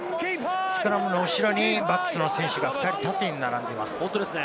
スクラムの後ろにバックスの選手が２人縦に並んでいます。